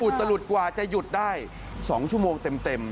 ตลุดกว่าจะหยุดได้๒ชั่วโมงเต็ม